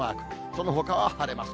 そのほかは晴れます。